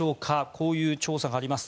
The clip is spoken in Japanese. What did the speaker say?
こういう調査があります。